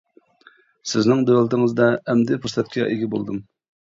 سىزنىڭ دۆلىتىڭىزدە ئەمدى پۇرسەتكە ئىگە بولدۇم.